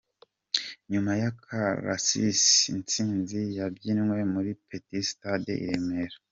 Nyuma y’akarasisi, Intsinzi yabyiniwe muri Petit Stade i Remera: